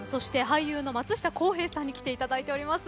俳優の松下洸平さんに来ていただいております。